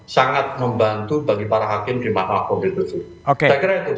sangat membantu bagi para hakim di mahkamah konstitusi